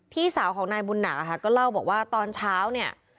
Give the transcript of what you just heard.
พี่สาวของนายบุญหนาค่ะก็เล่าบอกว่าตอนเช้าเนี่ย